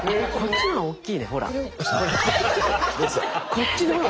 こっちのほうが。